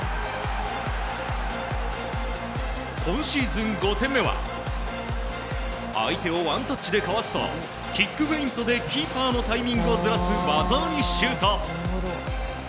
今シーズン５点目は相手をワンタッチでかわすとキックフェイントでキーパーのタイミングをずらす技ありシュート！